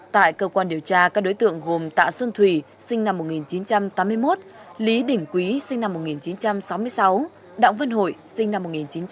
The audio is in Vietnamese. tại cơ quan điều tra các đối tượng gồm tạ xuân thùy sinh năm một nghìn chín trăm tám mươi một lý đỉnh quý sinh năm một nghìn chín trăm sáu mươi sáu đặng vân hội sinh năm một nghìn chín trăm tám mươi